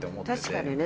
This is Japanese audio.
確かにね。